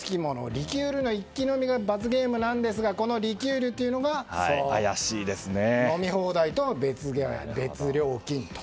リキュールの一気飲みが罰ゲームなんですがこのリキュールというのが飲み放題とは別料金と。